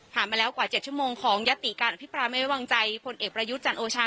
ผ่านมาแล้วกว่าเจ็ดชั่วโมงของยัตริการอภิปราณ์ไม่แว่วางใจคนเอกประยุทธ์จันทร์โอชา